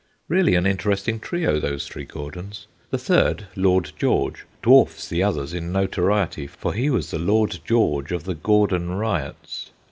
Really an interesting trio, those three Gordons. The third, Lord George, dwarfs the others in notoriety, for he was the Lord George of the Gordon Riots.